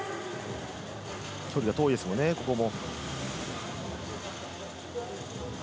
距離が遠いですもんね、ここも。